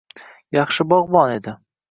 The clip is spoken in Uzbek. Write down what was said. Yaxshi bog’bon edi.